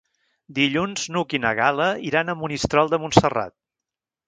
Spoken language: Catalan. Dilluns n'Hug i na Gal·la iran a Monistrol de Montserrat.